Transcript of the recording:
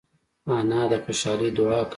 انا د خوشحالۍ دعا کوي